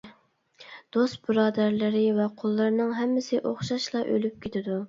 دوست-بۇرادەرلىرى ۋە قۇللىرىنىڭ ھەممىسى ئوخشاشلا ئۆلۈپ كېتىدۇ.